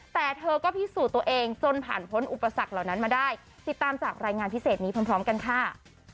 แต่เธอก็พิสูจน์ตัวเองจนผ่านพ้นอุปสรรคเหล่านั้นมาได้ติดตามจากรายงานพิเศษนี้พร้อมกันค่ะ